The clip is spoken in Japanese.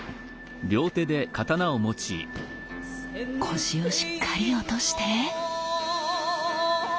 腰をしっかり落として！